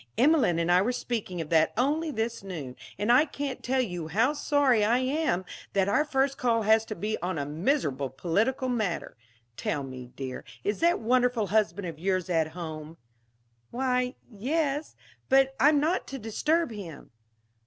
Emelene and I were speaking of that only this noon. And I can't tell you how sorry I am that our first call has to be on a miserable political matter. Tell me, dear, is that wonderful husband of yours at home?" "Why yes. But I am not to disturb him."